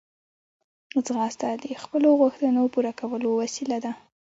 ځغاسته د خپلو غوښتنو پوره کولو وسیله ده